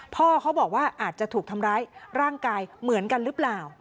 พ่อเขาบอกว่าอาจจะถูกทำร้ายร่างกายเหมือนกันหรือเปล่า